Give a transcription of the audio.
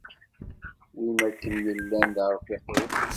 Win akken yellan d arfiq-iw.